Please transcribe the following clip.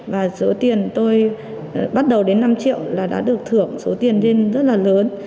và số tiền tôi bắt đầu đến năm triệu là đã được thưởng số tiền lên rất là lớn